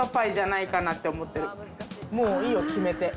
もういいよ、決めて。